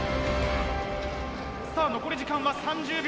さぁ残り時間は３０秒。